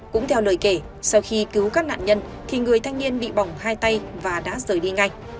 cũng theo lời kể sau khi cứu các nạn nhân thì người thanh niên bị bỏng hai tay và đã rời đi ngay